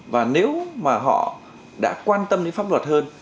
và nếu mà họ đã quan tâm đến pháp luật hơn